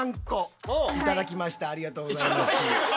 ありがとうございます。